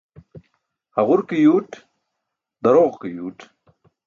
Haġur ke yuuṭ, daroġo ke yuuṭ.